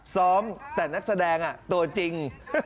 ซ้อมแต่นักแสดงตัวจริง